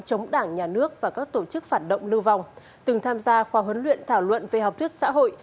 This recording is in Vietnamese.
chống đảng nhà nước và các tổ chức phản động lưu vong từng tham gia khóa huấn luyện thảo luận về học thuyết xã hội